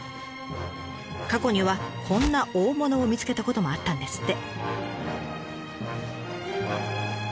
過去にはこんな大物を見つけたこともあったんですって！